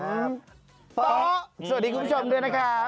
สวัสดีคุณผู้ชมด้วยนะครับ